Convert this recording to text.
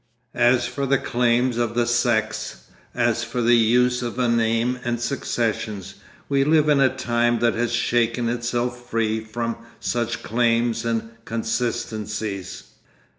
As for the claims of the sects, as for the use of a name and successions, we live in a time that has shaken itself free from such claims and consistencies.